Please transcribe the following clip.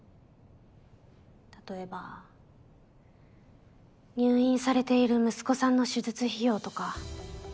例えば入院されている息子さんの手術費用とか。